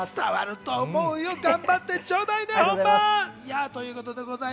頑張ってちょうだいね本番。